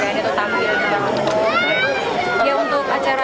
saya yang ada di renggani sudah bisa berani untuk eksplor diri mereka